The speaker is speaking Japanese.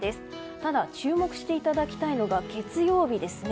ただ、注目していただきたいのは月曜日ですね。